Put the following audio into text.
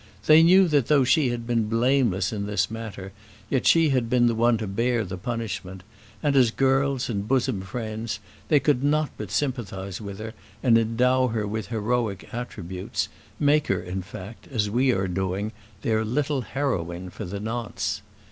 They knew that though she had been blameless in this matter, yet she had been the one to bear the punishment; and, as girls and bosom friends, they could not but sympathise with her, and endow her with heroic attributes; make her, in fact, as we are doing, their little heroine for the nonce.